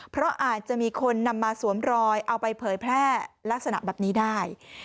เพราะอาจจะมีคนนำมาสวมรอยเอาไปเผยแพร่ลักษณะแบบนี้ได้